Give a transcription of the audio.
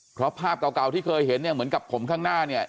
เพราะภาพเก่าที่เคยเห็นเนี่ยเหมือนกับผมข้างหน้าเนี่ย